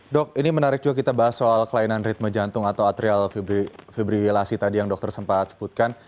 dok ini menarik juga kita bahas soal kelainan ritme jantung atau atrial fibrilasi tadi yang dokter sempat sebutkan